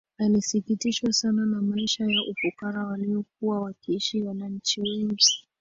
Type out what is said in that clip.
Alisikitishwa sana na maisha ya ufukara waliokuwa wakiishi wananchi wengi